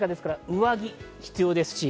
上着が必要です。